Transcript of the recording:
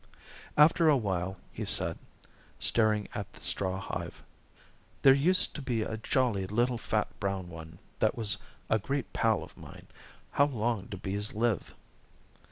After a while he said, staring at the straw hive: "There used to be a jolly little fat brown one that was a great pal of mine. How long do bees live?"